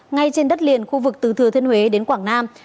ngay trên đất liền khu vực từ thừa thiên huế đến quảng nam